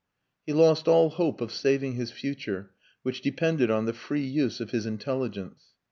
He lost all hope of saving his future, which depended on the free use of his intelligence.